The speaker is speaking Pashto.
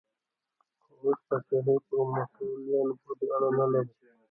خو اوس پاچاهي په متولیانو پورې اړه نه لري.